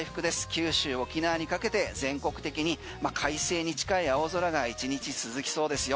九州、沖縄にかけて全国的に快晴に近い青空が１日続きそうですよ。